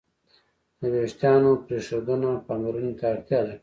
د وېښتیانو پرېښودنه پاملرنې ته اړتیا لري.